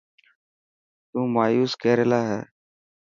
تو مايوس ڪيريريلا هي.